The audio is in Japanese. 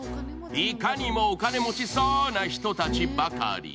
いかにもお金持ちそうな人たちばかり。